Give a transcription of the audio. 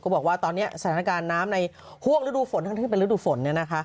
บอกว่าตอนนี้สถานการณ์น้ำในห่วงฤดูฝนทั้งที่เป็นฤดูฝน